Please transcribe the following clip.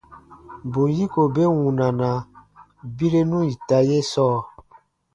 Bù yiko be wunana birenu ita ye sɔɔ.